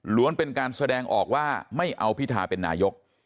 เป็นการแสดงออกว่าไม่เอาพิธาเป็นนายก